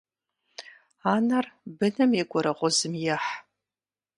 Анэр быным и гурыгъузым ехь.